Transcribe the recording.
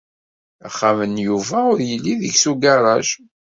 Axxam n Yuba ur yelli deg-s ugaṛaj.